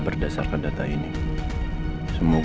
kebetulan buas buang itu akan diperbaiki